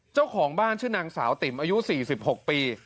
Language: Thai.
เจ้าของบ้านชื่อนางสาวติ๋มอายุ๔๖ปี